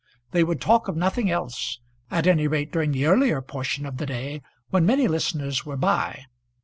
They would talk of nothing else, at any rate during the earlier portion of the day, when many listeners were by.